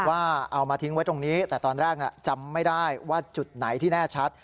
ว่าเอามาทิ้งไว้ตรงนี้แต่ตอนแรกจำไม่ได้ว่าจุดไหนที่แน่ชัด